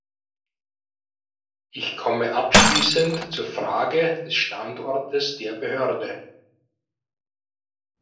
Ich komme abschließend zur Frage des Standortes der Behörde.